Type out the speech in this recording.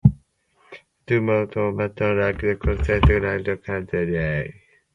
The motto of the paper is "Light of the Coastal Empire and Lowcountry".